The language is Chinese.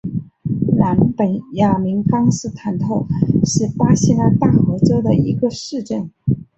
南本雅明康斯坦特是巴西南大河州的一个市镇。